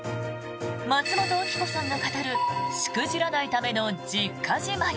松本明子さんが語るしくじらないための実家じまい